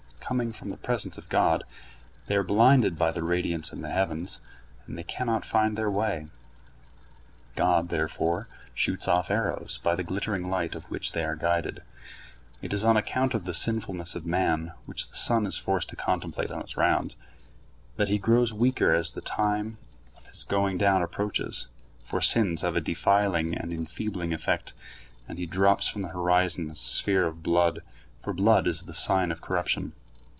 Coming from the presence of God, they are blinded by the radiance in the heavens, and they cannot find their way. God, therefore, shoots off arrows, by the glittering light of which they are guided. It is on account of the sinfulness of man, which the sun is forced to contemplate on his rounds, that he grows weaker as the time of his going down approaches, for sins have a defiling and enfeebling effect, and he drops from the horizon as a sphere of blood, for blood is the sign of corruption.